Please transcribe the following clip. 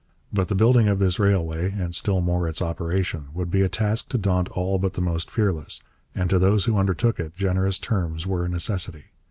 But the building of this railway, and still more its operation, would be a task to daunt all but the most fearless, and to those who undertook it generous terms were a necessity.